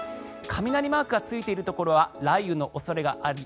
雷マークがついているところは雷雨の恐れあり。